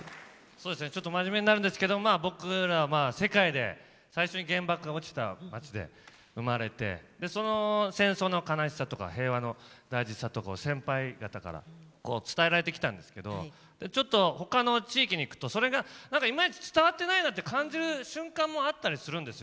そうですねちょっと真面目になるんですけどまあ僕ら世界で最初に原爆が落ちた町で生まれてでその戦争の悲しさとか平和の大事さとかを先輩方から伝えられてきたんですけどでちょっと他の地域に行くとそれがいまいち伝わってないなって感じる瞬間もあったりするんですよ。